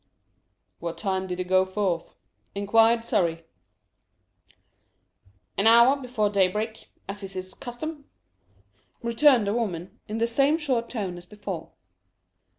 "What time did he go forth?" inquired Surrey. "An hour before daybreak, as is his custom," returned the woman, in the same short tone as before.